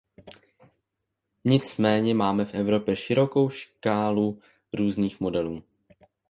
Nicméně máme v Evropě širokou škálu různých modelů.